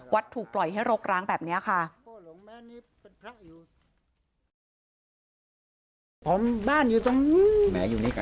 ถูกปล่อยให้รกร้างแบบนี้ค่ะ